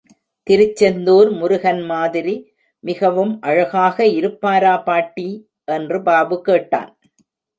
திருச்செந்துார் முருகன் மாதிரி மிகவும் அழகாக இருப்பாரா பாட்டி? என்று பாபு கேட்டான்.